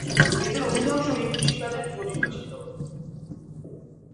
এদের অধিকাংশই কৃষিকাজে নিয়োজিত ছিল।